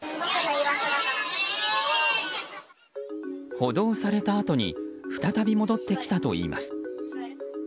補導されたあとに再び戻ってきたといいます。